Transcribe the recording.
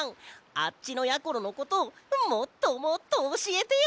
あっちのやころのこともっともっとおしえてよ！